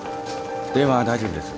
電話大丈夫です。